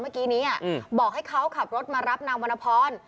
เมื่อกี้นี้บอกให้เขาขับรถมารับนางวรรณพร